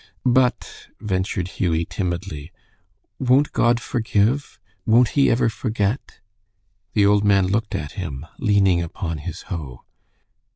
"But," ventured Hughie, timidly, "won't God forgive? Won't he ever forget?" The old man looked at him, leaning upon his hoe.